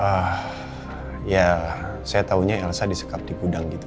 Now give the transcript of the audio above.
ah ya saya taunya elsa disekap di gudang gitu